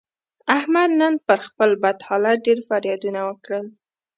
احمد نن پر خپل بد حالت ډېر فریادونه وکړل.